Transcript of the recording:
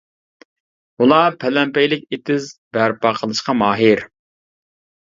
ئۇلار پەلەمپەيلىك ئېتىز بەرپا قىلىشقا ماھىر.